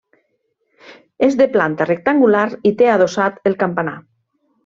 És de planta rectangular i té adossat el campanar.